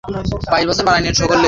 এখানে রয়েছে সাংবাদিক সমিতি।